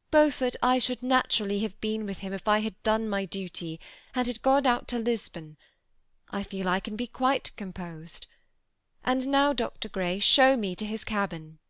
" Beau fort, I should naturally have been with him if I had done my duty, and had gone out to Lisbon. I feel I can be quite composed ; and now, Dr. Grey, show me to his cabin."